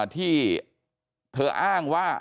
ที่เธออ้างว่า